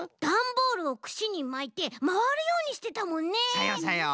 さようさよう。